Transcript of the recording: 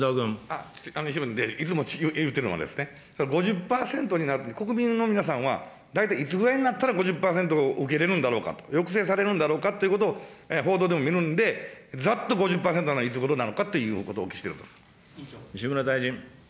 いつも言うてるのは、その５０％になる、国民の皆さんは大体いつぐらいになったら５０％受けれるんだろうかと、抑制されるんだろうかということを、報道でも見るんで、ざっと５０％になるのはいつごろなのかということをお聞きしてい西村大臣。